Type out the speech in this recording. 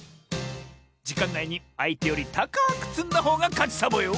じかんないにあいてよりたかくつんだほうがかちサボよ！